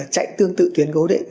chạy tương tự tuyến cố định